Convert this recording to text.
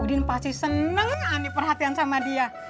udin pasti seneng ani perhatian sama dia